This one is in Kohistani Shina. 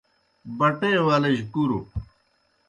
بٹے ولِجیْ کُروْ